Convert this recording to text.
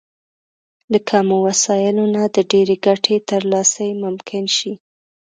له کمو وسايلو نه د ډېرې ګټې ترلاسی ممکن شي.